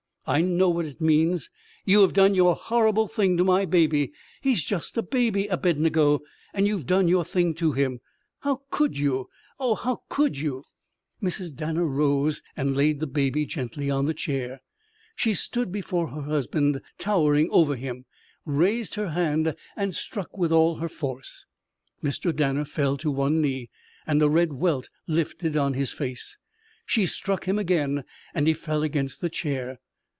I know what it means. You have done your horrible thing to my baby. He's just a baby, Abednego. And you've done your thing to him. How could you? Oh, how could you!" Mrs. Danner rose and laid the baby gently on the chair. She stood before her husband, towering over him, raised her hand, and struck with all her force. Mr. Danner fell to one knee, and a red welt lifted on his face. She struck him again and he fell against the chair.